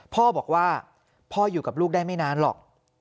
พ่อบอกว่าพ่ออยู่กับลูกได้ไม่นานหรอก